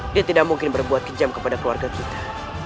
dia tidak mungkin berbuat kejam kepada keluarga kita